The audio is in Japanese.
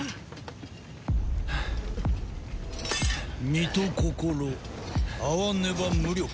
身と心合わねば無力。